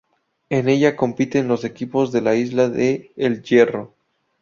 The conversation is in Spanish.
En ella compiten los equipos de la isla de El Hierro.